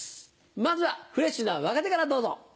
まずはフレッシュな若手からどうぞ。